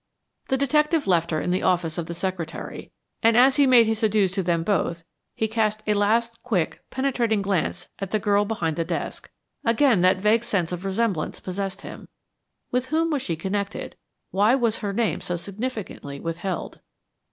The detective left her in the office of the secretary, and as he made his adieus to them both he cast a last quick, penetrating glance at the girl behind the desk. Again that vague sense of resemblance possessed him. With whom was she connected? Why was her name so significantly withheld?